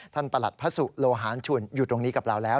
ประหลัดพระสุโลหารชุนอยู่ตรงนี้กับเราแล้ว